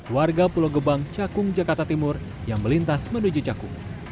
warga pulau gebang cakung jakarta timur yang melintas menuju cakung